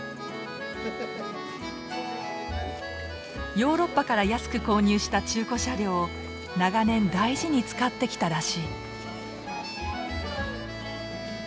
ヨーロッパから安く購入した中古車両を長年大事に使ってきたらしい。